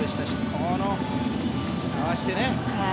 この合わせてね。